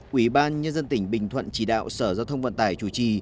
ủy ban nhân dân tỉnh bình thuận chỉ đạo sở giao thông vận tải chủ trì